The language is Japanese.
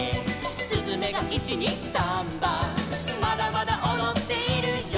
「すずめが１・２・サンバ」「まだまだおどっているよ」